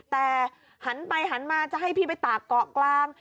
แต่หันไปหันมาจะให้พี่ไปตากเกาะกลาง